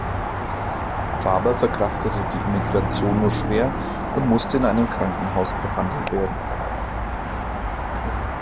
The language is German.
Faber verkraftete die Emigration nur schwer und musste in einem Krankenhaus behandelt werden.